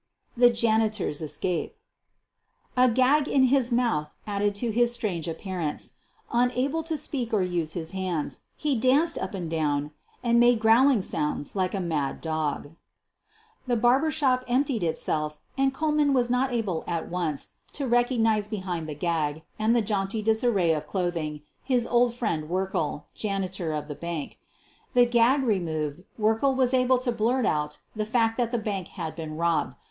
THE JANITOR'S ESCAPE A gag in his mouth added to his strange appear ance. Unable to speak or use his hands, he danced up and down and made growling sounds like a mad dog. The barber shop emptied itself and Kohlman was not able at once to recognize behind the gag and the jaunty disarray of clothing his old friend Wer kle, janitor of the bank. The gag removed, Werkle was able to blurt out the fact that the bank had been robbed.